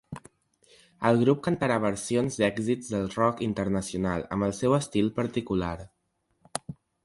El grup cantarà versions d’èxits del rock internacional amb el seu estil particular.